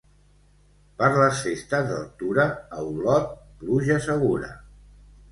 Per les Festes del Tura, a Olot, pluja segura.